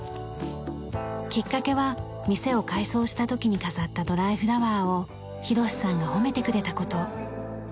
きっかけは店を改装した時に飾ったドライフラワーを廣さんが褒めてくれた事。